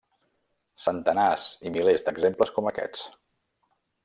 centenars i milers d'exemples com aquests.